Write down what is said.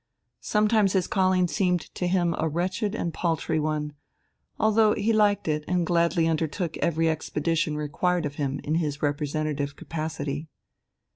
Sometimes his calling seemed to him a wretched and paltry one, although he liked it and gladly undertook every expedition required of him in his representative capacity.